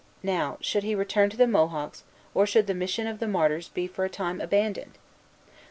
Now, should he return to the Mohawks, or should the Mission of the Martyrs be for a time abandoned?